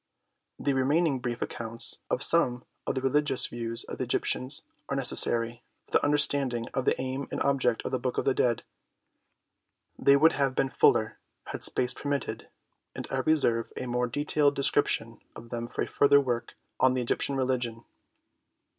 The remaining brief accounts of some of the religious views of the Egyptians are necessary for the under standing of the aim and object of the Book of the Dead ; they would have been fuller had space per mitted, and I reserve a more detailed description of them for a future work on the Egyptian Religion.